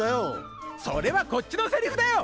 それはこっちの台詞だよ！